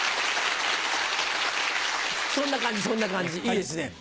そんな感じそんな感じいいですね。